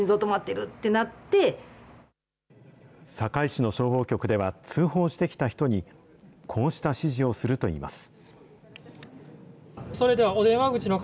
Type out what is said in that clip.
堺市の消防局では、通報してきた人に、こうした指示をするといいます。